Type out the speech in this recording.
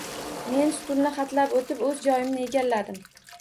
Men stulni hatlab o`tib o`z joyimni egalladim